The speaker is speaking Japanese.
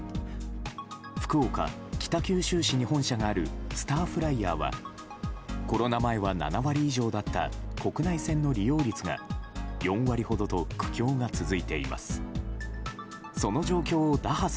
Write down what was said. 福岡・北九州市に本社があるスターフライヤーはコロナ前は７割以上だった国内線の利用率が４割ほどと苦境が続いています。